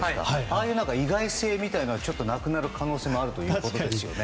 ああいう意外性なんかはなくなる可能性もあるということですね。